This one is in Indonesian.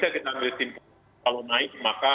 kalau naik maka